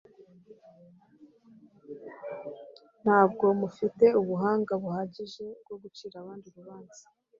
ntabwo mufite ubuhanga buhagije bwo gucira abandi urubanza.